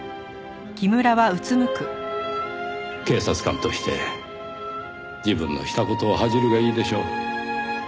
警察官として自分のした事を恥じるがいいでしょう。